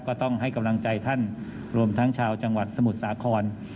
ก็ต้องให้กำลังใจท่านรวมทั้งชาวจังหวัดสมุทรสาคร